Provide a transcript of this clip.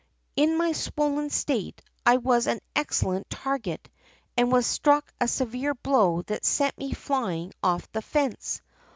"In my swollen state I was an excellent target and was struck a severe blow that sent me flying off the fence.